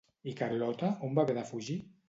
I Carlota on va haver de fugir?